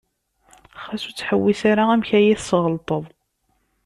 Xas ur ttḥewwis ara amek ara yi-tesɣelṭeḍ.